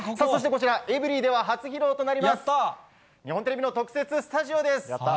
そしてこちら、エブリィでは初披露となります、日本テレビの特設スタジオです。